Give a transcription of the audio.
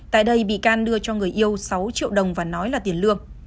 tại đây bị can đưa cho người yêu sáu triệu đồng và nói là tiền lương